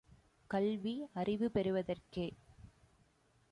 கல்வி, அறிவு பெறுவதற்கே!